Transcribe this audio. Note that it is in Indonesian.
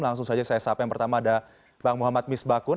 langsung saja saya sampaikan pertama ada bang muhammad misbakun